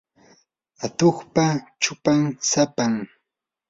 atuqpa chupan sapam.